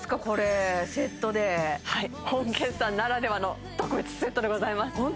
これセットではい本決算ならではの特別セットでございます